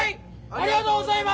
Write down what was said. ありがとうございます。